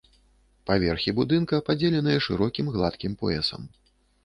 Паверхі будынка падзеленыя шырокім гладкім поясам.